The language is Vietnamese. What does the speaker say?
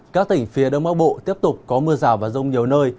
các tỉnh phía đông bắc bộ tiếp tục có mưa rào và rông nhiều nơi